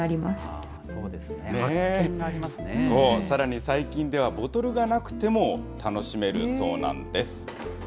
さらに、最近ではボトルがなくても楽しめるそうなんです。